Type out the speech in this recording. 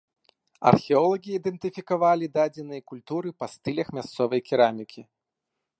Археолагі ідэнтыфікавалі дадзеныя культуры па стылях мясцовай керамікі.